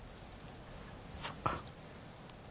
そっか。